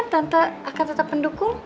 tante akan tetap mendukung